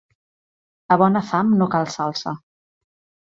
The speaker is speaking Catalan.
A bona fam no cal salsa